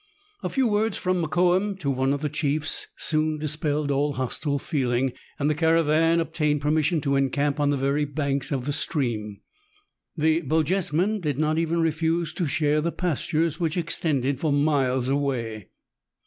A few words from Mokoum to one of the chiefs soon dispelled all hostile feeling, and the caravan obtained per mission to encamp on the very banks of the stream. The Bochjesmen did not even refuse to share the pastures, which extended for miles away.